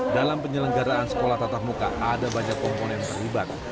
dalam penyelenggaraan sekolah tatap muka ada banyak komponen terlibat